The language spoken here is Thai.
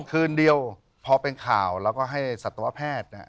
คืนเดียวพอเป็นข่าวแล้วก็ให้สัตวแพทย์